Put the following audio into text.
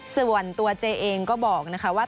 สิวรรณตัวเจย์เองก็บอกนะค่ะว่า